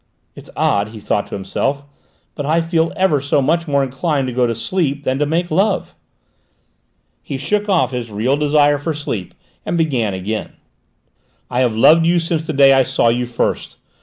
"It's odd," he thought to himself, "but I feel ever so much more inclined to go to sleep than to make love." He shook off his real desire for sleep and began again. "I have loved you since the day I saw you first.